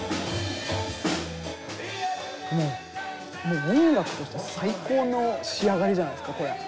もう音楽として最高の仕上がりじゃないですかこれ。